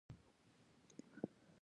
کله چې صداقت وي، خرڅ اسانېږي.